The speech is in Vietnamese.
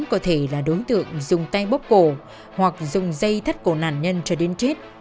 có thể là đối tượng dùng tay bóp cổ hoặc dùng dây thắt cổ nạn nhân cho đến chết